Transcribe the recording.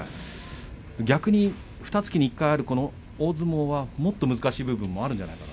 逆にふたつきに１回ある相撲はもっと難しい部分もあるんじゃないですか。